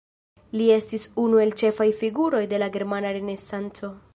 Li estis unu el ĉefaj figuroj de la Germana Renesanco.